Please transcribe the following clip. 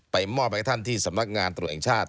มอบให้ท่านที่สำนักงานตรวจแห่งชาติ